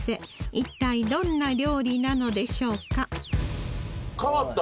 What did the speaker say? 一体どんな料理なのでしょうか？